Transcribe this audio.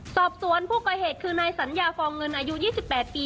สอบสวนผู้ก่อเหตุคือนายสัญญาฟองเงินอายุ๒๘ปี